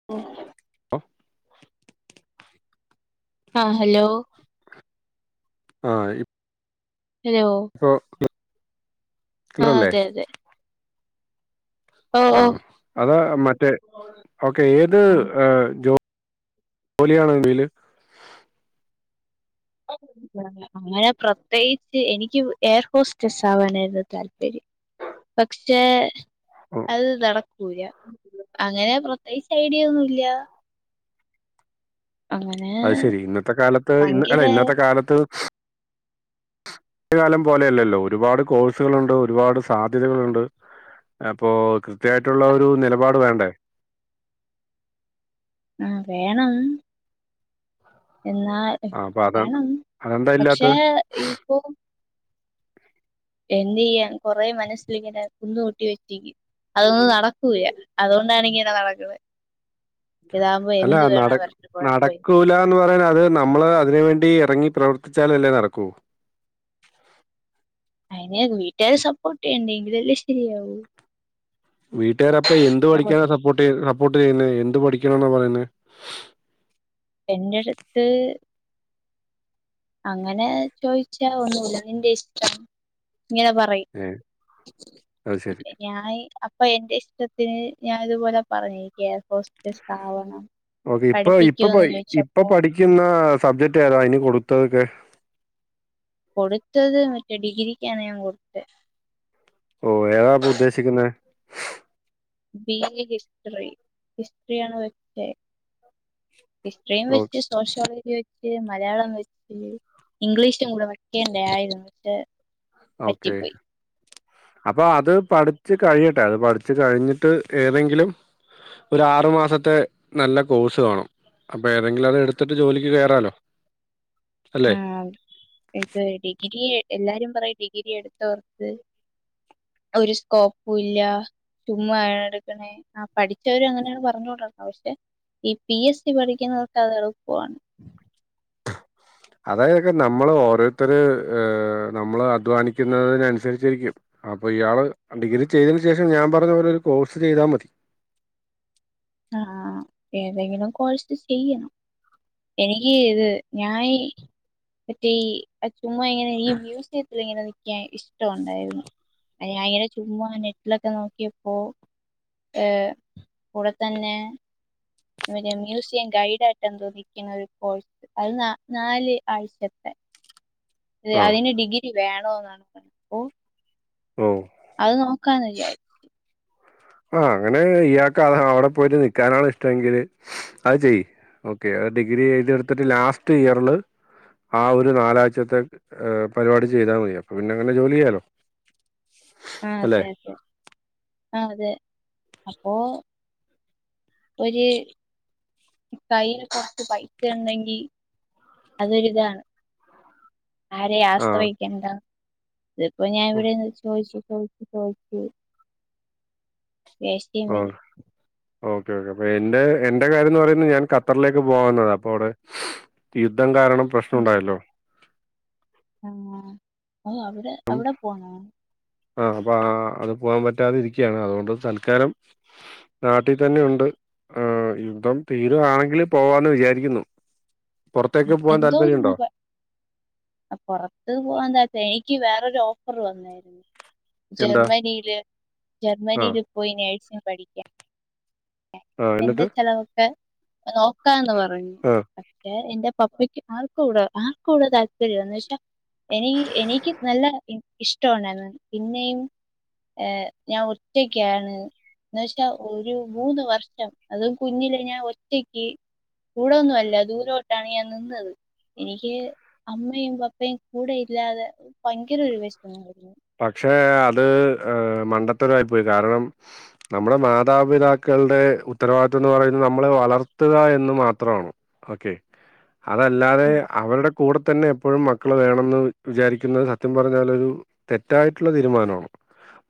[inaudible] പ്പോ ആഹ് ഹലോ ആഹ് ഇപ് ഹലോ ഹോ ആഹ് അതെ അതെ ഓ ഓ ആഹ് അതാ മറ്റേ അവക്ക് ഏത് ആ, ആ, ജോ ജോലിയാണെങ്കില് [unintelligible] അങ്ങനെ പ്രത്യേകിച്ച് എനിക്ക് എയർ ഹോസ്റ്റസ് ആവാനായിരുന്നു താല്പര്യം പക്ഷേ അത് നടക്കൂല അങ്ങനെ പ്രത്യേകിച്ച് ഐഡിയ ഒന്നുംഇല്ല അങ്ങനെ അത് ശെരി ഇന്നത്തെ കാലത്ത് ഇന്ന് അല്ല ഭയങ്കര ഇന്നത്തെ കാലത്ത് പണ്ട് കാലം പോലെയല്ലല്ലോ ഒരുപാട് കോഴ്സുകളുണ്ട് ഒരുപാട് സാധ്യതകളുണ്ട് അപ്പൊ കൃത്യായിട്ടുള്ള ഒരു നിലപാട് വേണ്ടേ ആഹ് വേണം എന്നാ ആഹ് അപ്പൊ അതാ വേണം അതെന്താ ഇല്ലാത്ത പക്ഷെ ഇപ്പൊ എന്തിയ്യാൻ കൊറെ മനസ്സിലിങ്ങനെ കുന്നുകൂട്ടി വെച്ചേക്ക്‌ അതൊന്നും നടക്കൂല്ല അതുകൊണ്ടാണ് ഇങ്ങനെ നടക്ക്ന്നെ ഇതാകുമ്പോ എന്ത് വേണെ വരട്ട കുഴപ്പമില്ല ന്ന് പറയാൻ അത് നമ്മള് അതിന് വേണ്ടി ഇറങ്ങി പ്രവർത്തിച്ചാലല്ലേ നടക്കൂ അയിന് വീട്ടുകാര് സപ്പോർട്ട് ചെയ്യണ്ടെ എങ്കിലല്ലേ ശരിയാവൂ വീട്ടുകാരപ്പൊ എന്ത് ഞാൻ ഒ- പഠിക്കാനാ സപ്പോർട്ട് ചെയ്യു സപ്പോർട്ട് ചെയ്യുന്നെ എന്ത് പഠിക്കണെന്ന പറയുന്നേ എന്റെ അടുത്ത് അങ്ങനെ ചോദിച്ചാ ഒന്നൂല നിന്റെ ഇഷ്ടം ഇങ്ങനെ പറയിം ഏഹ് അത് ശരി ഞായി അപ് പ്പൊ എന്റെ ഇഷ്ടത്തിന് ഞാൻ ഇതുപോലെ പറഞ്ഞ് എനിക്ക് എയർ ഹോസ്റ്റസ് ആവണം ഓക്കെ ഇപ്പൊ ഇപ്പൊ പഠിപ്പിക്കുമോന്ന് ഇപ്പൊ ചോദിച്ചപ്പോ പഠിക്കുന്ന സബ്ജക്റ്റ് ഏതാ അതിന് കൊടുത്തതൊക്കെ കൊടുത്തത് മറ്റേ ഡിഗ്രിക്കാണ് ഞാൻ കൊടുത്തെ ഓ ഏതാ അപ്പൊ ഉദ്ദേശിക്കുന്നെ ബി എ ഹിസ്റ്ററി ഹിസ്റ്ററി ആണ് വെച്ചേ ഹിസ്റ്ററീം ഓഹ്! വെച്ച് സോഷ്യോളജി വെച്ച് മലയാളം വെച്ച് ഇംഗ്ലീഷും കൂടെ വെക്കേണ്ട ആയിരുന്നു പക്ഷെ ആഹ് ഓക്കേ പറ്റിപ്പോയി അപ്പൊ അത് പഠിച്ചു കഴിയട്ടെ അത് പഠിച്ചു കഴിഞ്ഞിട്ട് ഏതെങ്കിലും ഒരു ആറു മാസത്തെ നല്ല കോഴ്സ് കാണും അപ്പൊ ഏതെങ്കിലും അത് എടുത്തിട്ട് ജോലിക്ക് കയറാലോ അല്ലേ ആ, ഇത് ഡിഗ്രി എല്ലാരും പറയും ഡിഗ്രി എടുത്ത വർക്ക്‌ ഒരു സ്കോപ്പും ഇല്ല ചുമ്മാ എടുക്കണേ ആ പഠിച്ചവര് അങ്ങനെയാണ് പറഞ്ഞ് കൊണ്ട് നടക്കുന്നെ പക്ഷെ ഈ പി എസ് സി പഠിക്കുന്നവർക്ക് അത് എളുപ്പമാണ് അതായതൊക്കെ നമ്മള് ഓരോരുത്തര് നമ്മള് അധ്വാനിക്കുന്നതിന് അനുസരിച്ചിരക്കും അപ്പൊ ഇയാള് ഡിഗ്രി ചെയ്തതിന് ശേഷം ഞാൻ പറഞ്ഞ പോലെ ഒരു കോഴ്സ് ചെയ്താ മതി ആഹ് ഏതെങ്കിലും കോഴസ് ചെയ്യണം എനിക്ക് ഇത് ഞാനീ മറ്റേ ഈ ചുമ്മാ ഇങ്ങനെ ഈ മ്യൂസിയത്തിൽ ഇങ്ങനെ നിക്കാൻ ഇഷ് ടം ഉണ്ടായിരുന്നു ഞാൻ ഇങ്ങനെ ചുമ്മാ നെറ്റിലൊക്കെ നോക്കിയപ്പോ ഏഹ് കൂടെ തന്നെ മ്യൂസിയം ഗൈഡ് ആയിട്ട് എന്തോ നിക്കുന്ന ഒരു കോഴ്സ് അത് നാല് ആഴ്ചത്തെ ആഹ്. അതിന് ഡിഗ്രി വേണോ എന്നാണ് പറഞ്ഞത് ഓ ഓ അത് നോക്കാന്നില്ലേ ആഹ് അങ്ങനെ ഇയാക്ക് അ അവിടെ പോയിട്ട് നിക്കാനാണ് ഇഷ്ടമെങ്കില് അത് ചെയ് ഓക്കെ ഡിഗ്രി എയുതെടുത്തിട്ട് ലാസ്റ്റ് ഇയറില് ആ ഒരു നാലാഴ്ചത്തെ പരിപാടി ചെയ്താൽ മതി അപ്പൊ പിന്നെ അങ്ങനെ ജോലി ചെയ്യാലോ ആഹ് അല്ലെ അതെ അതെ ആ അതെ അപ്പോ ഒരു കയ്യിൽ കുറച്ച് പൈസ ഉണ്ടെങ്കി അതൊരിതാണ് ആരെയും ആഹ് ആശ്രയിക്കണ്ട ഇതിപ്പോ ഞാൻ ഇവിടെന്ന് ചോദിച്ചപ്പോ [unintelligible] ആഹ് [unintelligible] ഓക്കെ ഓക്കേ അപ്പൊ എന്റെ എന്റെ കാര്യം എന്ന് പറയുന്നത് ഞാൻ ഖത്തറിലേക്ക് പോകുന്നത് അപ്പൊ അവിടെ യുദ്ധം കാരണം പ്രശ്നം ഉണ്ടായല്ലോ ആ ഓ അവിടെ അവിടെ പോണോ ആ അപ്പൊ അത് പോകാൻ പറ്റാതെ ഇരിക്കുകയാണ് അതുകൊണ്ട് തൽക്കാലം നാട്ടിൽ തന്നെ ഉണ്ട് ആ യുദ്ധം തീരുവാണെങ്കിൽ പോവാന്ന് വിചാരിക്കുന്നു പുറത്തേക്ക് ഉം, പോവാൻ എന്തോ താല്പര്യം നിങ്ങൾ ഉണ്ടോ പ- പുറത്ത് പോവാൻ എന്താച്ച എനിക്ക് വേറൊരു ഓഫർ വന്ന് എന്താ ജർമ്മനിയില് ആഹ് ജർമ്മനിയില് പോയി നേഴ്സിംഗ് പഠിക്കാൻ ആ എന്റെ എന്നിട്ട് ചെലവൊക്കെ നോക്കാന്ന് പറഞ്ഞു ആ പക്ഷെ എന്റെ പപ്പയ്ക്ക് ആർക്കും ഇവിടെ ആർക്കും ഇവിടെ താല്പര്യന്ന് വെച്ചാ എനിക്ക് എനിക്ക് നല്ല ഇഷ്ടം ഉണ്ടായിരുന്നു പിന്നെയും ഏ ഞാൻ ഒറ്റക്കാണ് എന്ന് വെച്ചാ ഒരു മൂന്ന് വർഷം അത് കുഞ്ഞിലെ ഞാൻ ഒറ്റയ്ക്ക് കൂടെന്നുമല്ല ദൂരോട്ടാണ് ഞാൻ നിന്നത് എനിക്ക് അമ്മയും പപ്പയും കൂടെ ഇല്ലാതെ ഭയങ്കര ഒരു വിഷമായിരുന്നു പക്ഷേ അത് ഏ മണ്ടത്തരമായി പോയി കാരണം നമ്മുടെ മാതാപിതാക്കളുടെ ഉത്തരവാദിത്തം എന്ന് പറയുന്നത് നമ്മളെ വളർത്തുക എന്ന് മാത്രമാണ് ഓക്കേ അതല്ലാതെ ഉം അവരുടെ കൂടെ തന്നെ എപ്പോഴും മക്കള് വേണെന്ന് വിചാരിക്കുന്നത് സത്യം പറഞ്ഞാൽ ഒരു തെറ്റായിട്ടുള്ള തീരുമാനമാണ്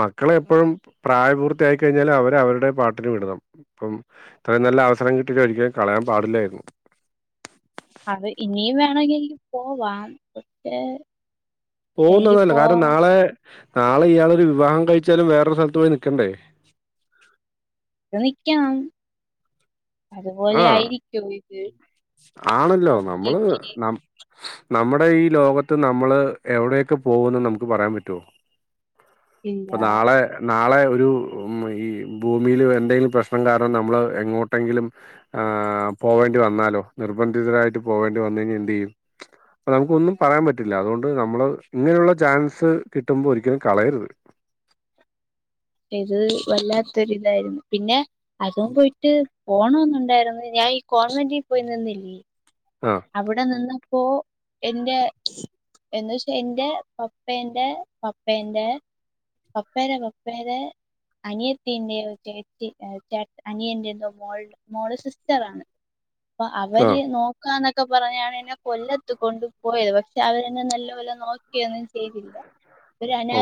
മക്കളെ എപ്പോഴും പ്രായപൂർത്തിയായി കഴിഞ്ഞാല് അവരെ അവരുടെ പാട്ടിനു വിടണം ഇപ്പം അത്രയും നല്ല അവസരം കിട്ടീട്ട് ഒരിക്കും കളയാൻ പാടില്ലായിരുന്നു അത് ഇനിയും വേണമെങ്കിൽ എനിക്ക് പോവാം പക്ഷെ എനിക്ക് പോകുന്നതല്ല കാരണം പോവാം നാളെ നാളെ ഇയാളൊരു വിവാഹം കഴിച്ചാലും വേറൊരു സ്ഥലത്ത് പോയി നിൽക്കണ്ടേ അത് നിക്കണം അതുപോലെ ആ ആയിരിക്കോ ഇത് ആണല്ലോ നമ്മള് ഒറ്റക്ക് ന നമ്മുടെ ഈ ലോകത്ത് നമ്മള് എവിടെയൊക്കെ പോവുന്ന് നമുക്ക് പറയാൻ പറ്റുവോ ഇല്ല അപ്പൊ നാളെ നാളെ ഒരു ഈ ഭൂമിൽ എന്തെങ്കിലും പ്രശ്നം കാരണം നമ്മൾ എങ്ങോട്ടെങ്കിലും ആ പോകേണ്ടി വന്നാലോ നിർബന്ധിതരായിട്ട് പോകേണ്ടി വന്നു കഴിഞ്ഞാ എന്ത് ചെയ്യും അപ്പൊ നമുക്കൊന്നും പറയാൻ പറ്റില്ല അതുകൊണ്ട് നമ്മള് ഇങ്ങനെയുള്ള ചാൻസ് കിട്ടുമ്പോൾ ഒരിക്കലും കളയരുത് ഇത് വല്ലാത്തൊരിതായിരുന്നു പിന്നെ അതും പോയിട്ട് പോണന്നുണ്ടായിരുന്നു ഞാൻ ഈ കോൺവെന്റിൽ പോയി നിന്നില്ലേ ആഹ് അവിടെ നിന്നപ്പോ എന്റെ എന്ന് വച്ചാ എൻ്റെ പപ്പേൻ്റെ പപ്പേൻ്റെ പപ്പേരെ പപ്പേരെ അനിയത്തിന്റെയോ ചേച്ചി എഹ് ചേട്ട അനിയൻ്റെതോ മോൾ മോള് സിസ്റ്ററാണ് അപ്പൊ ആഹ് അവര് നോക്കാനൊ ഒക്കെ പറഞ്ഞാണ് എന്നെ കൊല്ലത്ത് കൊണ്ട് പോയത് പക്ഷെ അവരെന്നെ നല്ലപോലെ നോക്കിയൊന്നും ചെയ്തില്ല.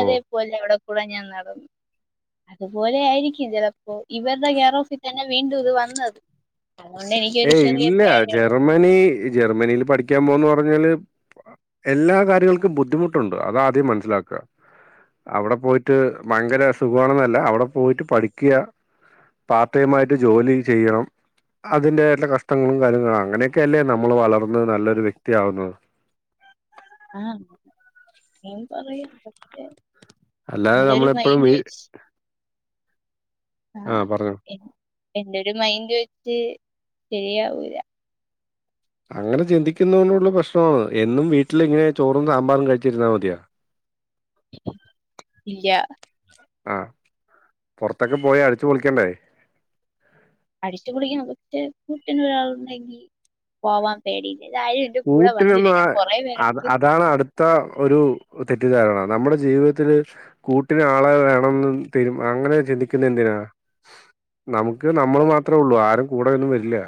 ഓഹ് പോലെ അവടെ കൂടെ ഞാൻ നടന്നു. അതുപോലെയായിരിക്കും ചെലപ്പോ ഇവര്ടെ കേറോഫി തന്നെ വീണ്ടും ഇത് വന്നത് അതോണ്ട് എനിക്കൊരു ചെറിയ പേടിയുണ്ട്. ഞായി ജർമ്മനില് പഠിക്ക്യാൻ പോവുന്ന് പറഞ്ഞാല് എല്ലാ കാര്യങ്ങൾക്കും ബുദ്ധിമുട്ടുണ്ട് അതാദ്യം മൻസ്സിലാക്ക. അവടെ പോയിട്ട് ഭയങ്കര സുഖാണെന്നല്ല അവടെ പോയിട്ട് പഠിക്ക. പാർട്ട് ടൈമായിട്ട് ജോല്യൊ ചെയ്യണം. അതിൻ്റെ എല്ല കഷ്ടങ്ങളും കാര്യങ്ങളും അങ്ങനെയെക്കല്ലേ നമ്മള് വളർന്ന് നല്ലൊരു വ്യക്തിയാവുന്നത്. ആഹ് ഞാൻ പറയും പക്ഷേ അല്ലാതെ നമ്മളെപ്പഴും വീ ആ ആഹ് പറയും എൻ എൻ്റൊരു മൈൻഡ് വെച്ച് ശരിയാവൂല്ല. അങ്ങനെ ചിന്തിക്കുന്നുന്നുള്ള പ്രശ്നാണത് എന്നും വീട്ടിലിങ്ങനെ ചോറും സാമ്പാറും കഴിച്ച്ര്ന്നാ മത്യാ ഇല്ല ആഹ് പൊർത്തൊക്കെ പോയ അട്ച്ച് പൊളിക്കണ്ടേ. അടിച്ച് പൊളിക്കണം പക്ഷേ കൂട്ടിനൊരാള്ണ്ടെങ്കി പോവാൻ പേടില്ല. ഇതാരു കൂട്ടിനൊന്ന്വാ അ അതാണ് അട് ത്ത ഒരു തെറ്റിദ്ധാരണ നമ്മടെ ജീവിതത്തില് കൂട്ടിനാളെ വേണംന്ന് തരും അങ്ങനെ ചിന്തിക്കുന്ന എന്തിനാ നമു ക്ക് നമ്മൾ മാത്രേള്ളൂ ആരും കൂടെയൊന്നും വെരില്ല.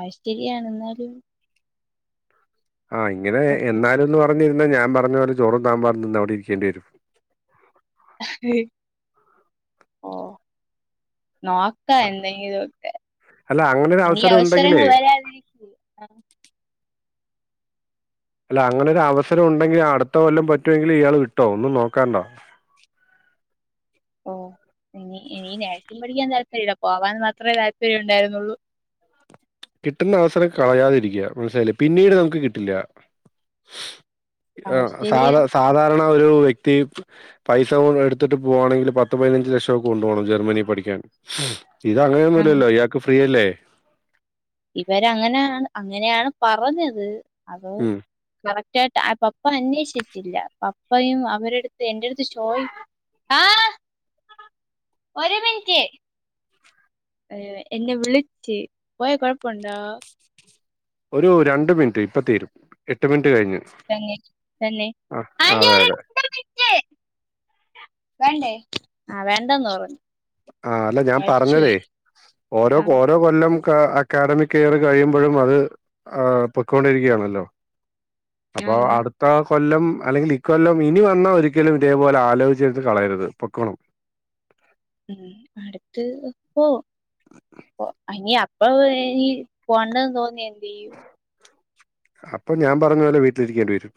അയ് ശ്ചര്യാണ് ന്നാലും ആഹ് ഇങ്ങനെ എന്നാലുംന്ന് പറഞ്ഞിര്ന്നാ ഞാം പർഞ്ഞ പോലെ ചോറക്കാം പർഞ്ഞന്ന് അവടെ ഇരിക്കേണ്ടി വെരും. ഓഹ് നോ ക്ക എന്തെങ്കിലൊക്കെ അല്ല അങ്ങനെ ഒരു ഇനി അവസരം അവസരങ്ങൾ ഉണ്ടെങ്കിലേ വരാതിരിക്കൂല. ആഹ് അല്ല അങ്ങനൊരു അവസരം ഉണ്ടെങ്കി അട്ത്ത കൊല്ലം പറ്റ്വൊങ്കില് ഇയാൾ വിട്ടോ ഒന്നും നോക്കാണ്ട. ഓഹ് ഇനി ഇനി നേഴ്സിംഗ് പഠിക്കാൻ താല്പര്യല്ല പോവാൻ മാത്രേ താല്പര്യൊണ്ടായിരുന്നൊള്ളൂ. കിട്ട്ന്ന അവസരം കളയാതിരിക്ക മനസ്സിലായില്ലേ പിന്നീട് നമുക്ക് കിട്ടില്ല. അത് ആഹ് സാധ ശരിയാ സാധാരണ ഒരു വ്യക്തി പൈസ എട്ത്തിട്ട് പോവാണെങ്കില് പത്ത് പതിനഞ്ച് ലക്ഷം കൊണ്ട് പോണം ജർമ്മനി പഠിക്കാൻ. ആ ഇതങ്ങനൊന്നുല്ലല്ലോ ഇയാക്ക് ഫ്രീയല്ലേ. ഇവരങ്ങനായാണ് അങ്ങന്യാണ് പറഞ്ഞത് അത് ഉം കറ ക്റ്റായിട്ട് അഹ് പപ്പ അന്വേഷിച്ചില്ല പപ്പയും അവരട്ത്ത് എന്റെട്ത്ത് ചോയി ആ ഒരു മിനിറ്റ് ഏഹ് എന്നെ വിളിച്ച് പോയ കൊഴപ്പണ്ടോ? ഒരു രണ്ട് മിൻറ്റ് ഇപ്പ തീരും എട്ട് മിൻറ്റ് കഴിഞ്ഞ് തന്നെ തന്നെ ആ അതെ അതെ ആഹ് വേണ്ടെന്ന് പറഞ്ഞു. ആഹ് അല്ല ഞാൻ പേടിച്ചു പറഞ്ഞതേ പോയി ഓരോ ആ ക്കോരോ കൊല്ലം ക അക്കാഡമിക് ഇയർ കഴിയുമ്പഴും അത് ആഹ് പൊക്കൊണ്ടിരിക്കയാണല്ലോ ആ അപ്പൊ അട് കൊല്ലം അല്ലെങ്കിൽ ഇക്കൊല്ലം ഇനി വന്നാൽ ഒരിക്കലും ഇതേപോലെ ആലോചിച്ച് എടുത്ത് കളയരുത് പൊക്കോളണം ഉം അടുത്ത് പോകും അയ്നി അപ്പൊ നി പോണ്ടാന്ന് തോന്നിയാ എന്ത് ചെയ്യും അപ്പൊ ഞാൻ പറഞ്ഞ പോലെ വീട്ടിലിരിക്കേണ്ടി വരും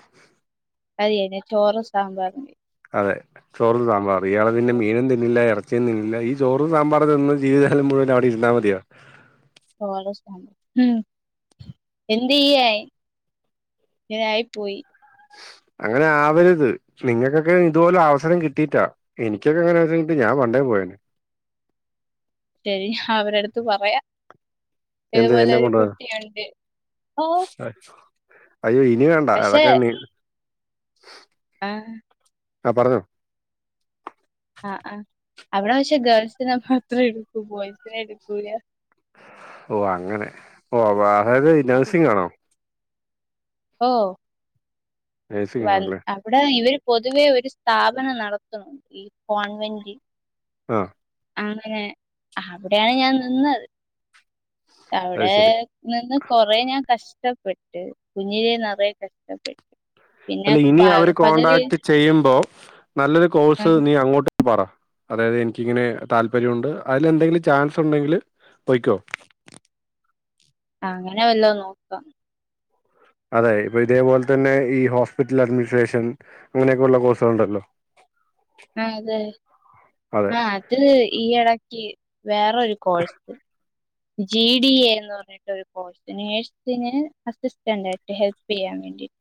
അത്യന്ന ചോറും സാമ്പാറും അതെ ചോറും സാമ്പാറും ഇയാള് പിന്നെ മീനും തിന്നില്ല ഇറ ചെന്നില്ല ഈ ചോറും സാമ്പാറും തിന്ന് ജീവിതകാലം മുഴുവൻ അവിടെ ഇരുന്ന മതിയോ ഉം എന്തെയ്യാൻ ഇങ്ങനായി പോയി അങ്ങനെ ആവരുത് നിങ്ങൾക്കൊക്കെ ഇതുപോലെ അവസരം കിട്ടീട്ടാ എനിക്കൊക്കെങ്ങനെ ഇത് ഞാൻ പണ്ടേ പോയേനെ ശരി അവരെടുത്ത് പറയാ എന്ത് എന്നെ ഇതുപോലൊരു കൊണ്ടുപോവാൻ കുട്ടിയുണ്ട് അയ്യോ ഇനി വേണ്ട പക്ഷെ അതൊക്കെണ്ണീ ആഹ് ആ പറഞ്ഞോ ആഹ് ആഹ് അവിടെ വെച്ച് ഗേൾസിനെ മാത്രം എടുക്കൂ ബോയ്സിനെ എടുക്കൂല ഓഹ് അങ്ങനെ ഓഹ് അതായത് നഴ്സിംഗാണോ ഓഹ് നഴ്സിംഗ് വ ആണല്ലേ അവിടെ ഇവര് പൊതുവേ ഒരു സ്ഥാപനം നടത്തുന്നുണ്ട് ഈ കോൺവെൻ്റ് ആഹ് അങ്ങനെ അവിടെയാണ് ഞാൻ നിന്നത് അത് അവിടെ ശരി നിന്ന് കൊറെ ഞാൻ കഷ്ടപ്പെട്ട് കുഞ്ഞിലെ നിറയെ കഷ്ടപ്പെട്ടു പിന്നെ അല്ല ഇനി പ അവര് പകല് കോൺടാക്ട് ചെയ്യുമ്പോ നല്ലൊരു ആ കോഴ്സ് നീ അങ്ങോ പറ അതായത് എനിക്കിങ്ങനെ താല്പര്യമുണ്ട് അതിൽ എന്തെങ്കിലും ചാൻസ് ഉണ്ടെങ്കില് പൊയ്ക്കോ അങ്ങനെ വല്ലതും നോക്കാം അതെ ഇപ്പൊ ഇതേപോലെ തന്നെ ഈ ഹോസ്പിറ്റൽ അഡ്മിനിസ്ട്രേഷൻ അങ്ങനെയൊക്കെയുള്ള കോഴ്സലുണ്ടല്ലോ ആഹ് അതെ അതെ ആഹ് അത് ഈ എടക്ക് വേറൊരു കോഴ്സ് ജി ഡി എ എന്ന് പറഞ്ഞിട്ടൊരു കോഴ്സ് നേഴ്സിന് അസിസ്റ്റന്ററ് ആയിട്ട് ഹെല്പ് ചെയ്യാൻ വേണ്ടിട്ട്